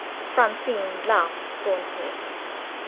Francine laughs scornfully.